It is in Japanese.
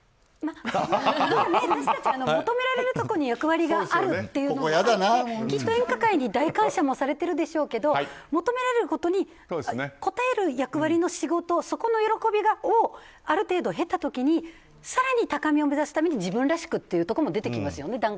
私たち求められるところに役割があるということできっと演歌界に大感謝もされてるでしょうけど求められることに応える役割の仕事をそこの喜びをある程度、経た時に更に高みを目指すために自分らしくというところも出てきますよね。